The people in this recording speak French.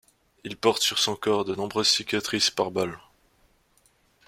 Il porte sur son corps de nombreuses cicatrices par balles.